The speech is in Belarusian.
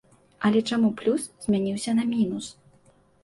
Але чаму плюс змяніўся на мінус?